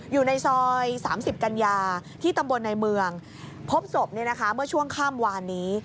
อยู่ในซอย๓๐กันยาที่ตำบลในเมืองพบศพเมื่อช่วงข้ามวานนี้